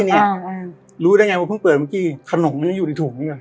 เนี้ยรู้ได้ไงว่าเพิ่งเปิดเมื่อกี้ขนมมันยังอยู่ในถุงนี่ไง